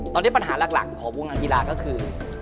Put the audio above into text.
ตอนนี้ปัญหาหลักของวงการกีฬาก็คือ